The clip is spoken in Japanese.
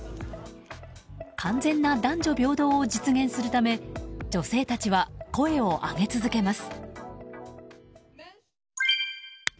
完全な男女平等を実現するため女性たちは、声を上げ続けます。